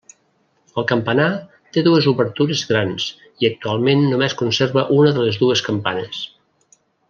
El campanar té dues obertures grans i actualment només conserva una de les dues campanes.